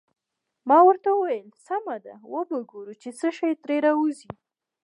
ما ورته وویل: سمه ده، وبه ګورو چې څه شي ترې راوزي.